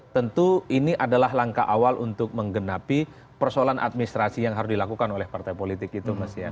tentu ini adalah langkah awal untuk menggenapi persoalan administrasi yang harus dilakukan oleh partai politik itu mas ya